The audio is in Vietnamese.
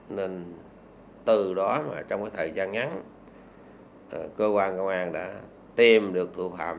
nên từ đó trong thời gian ngắn cơ quan công an đã tìm được thủ phạm